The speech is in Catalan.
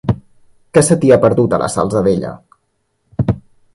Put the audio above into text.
Què se t'hi ha perdut, a la Salzadella?